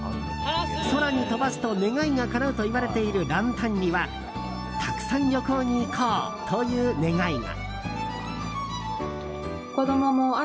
空に飛ばすと願いがかなうといわれているランタンにはたくさん旅行に行こうという願いが。